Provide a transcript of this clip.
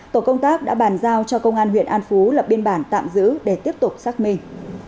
tổ công tác đã bàn giao cho công an huyện an phú lập biên bản tạm giữ để tiếp tục xác minh